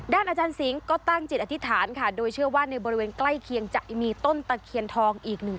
อาจารย์สิงห์ก็ตั้งจิตอธิษฐานค่ะโดยเชื่อว่าในบริเวณใกล้เคียงจะมีต้นตะเคียนทองอีกหนึ่ง